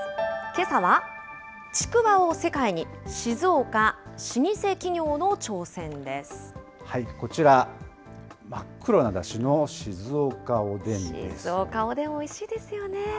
けさは、ちくわを世界に、静岡・こちら、真っ黒なだしの静岡静岡おでん、おいしいですよ